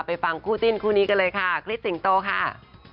ฟังคู่จิ้นคู่นี้กันเลยค่ะคริสสิงโตค่ะ